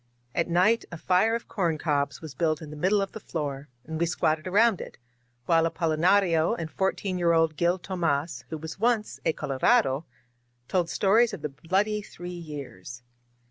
At night a fire of corn cobs was built in the middle of the floor, and we squatted around it, while Apolinario and fourteen year old Gil Tomas, who was once a Colorado^ told stories of the Bloody Three Years.